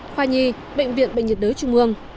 khoa nhi bệnh viện bệnh nhiệt đới trung ương